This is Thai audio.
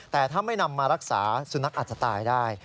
แต่ถ้าไม่นำมารักษาสุนัขอาจจะตายได้